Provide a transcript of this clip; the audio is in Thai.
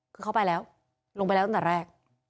เข้าไปแล้วลงไปแล้วตอนแรก